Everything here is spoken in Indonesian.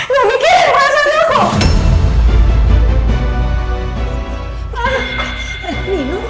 gak mikirin perasaan lo kok